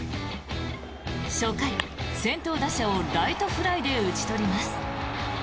初回、先頭打者をライトフライで打ち取ります。